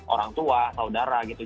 orang tua saudara gitu